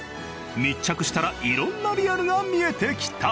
密着したら色んなリアルが見えてきた。